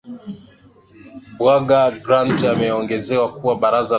a bwana grant ameongeza kuwa baraza la usalama la umoja wa mataifa